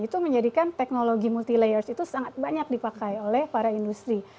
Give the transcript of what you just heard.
itu menjadikan teknologi multi layers itu sangat banyak dipakai oleh para industri